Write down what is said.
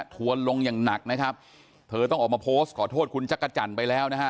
ทวนลงอย่างหนักนะครับเธอต้องออกมาโพสต์ขอโทษคุณจักรจันทร์ไปแล้วนะฮะ